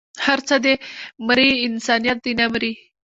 هر څه دې مري انسانيت دې نه مري